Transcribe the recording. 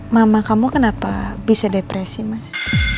mama kamu kenapa bisa depresi mas